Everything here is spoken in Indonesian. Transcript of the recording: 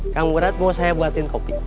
yang berat mau saya buatin kopi